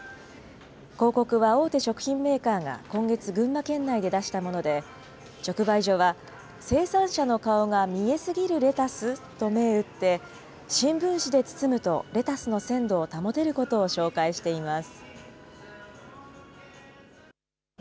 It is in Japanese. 広告は大手食品メーカーが今月、群馬県内で出したもので、直売所は、生産者の顔が見えすぎるレタス！？と銘打って、新聞紙で包むとレタスの鮮度を保てることを紹介しています。